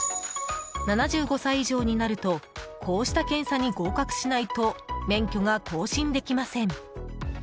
７５歳以上になるとこうした検査に合格しないと免許が更新できません。